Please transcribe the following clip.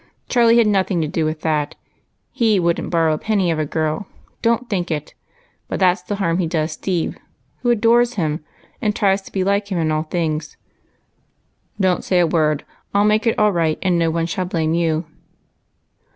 Charlie had nothing to do with that ; he would n't borrow a penny of a girl, don't think it. But that's the harm he does Steve, who adores him, and tries to be like him in all things. Don't say a word ; I '11 make it all right, and no one shall blame you."